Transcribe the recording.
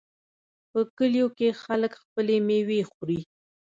په کلیو کې خلک خپلې میوې خوري.